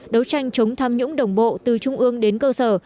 đấu tranh chống tham nhũng đồng bộ từ trung ương đến cơ sở